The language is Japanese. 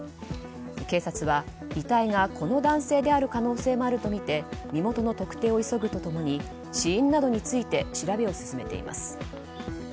警察は遺体がこの男性である可能性もあるとみて身元の特定を急ぐと共に死因などについて調べを進めています。